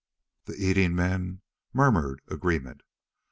The eating men murmured agreement.